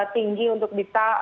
tinggi untuk bisa